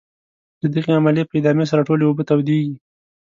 د دغې عملیې په ادامې سره ټولې اوبه تودیږي.